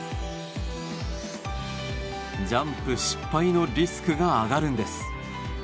ジャンプ失敗のリスクが上がるんです。